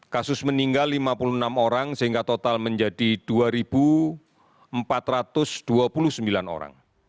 kasus meninggal lima puluh enam orang sehingga total menjadi dua empat ratus dua puluh sembilan orang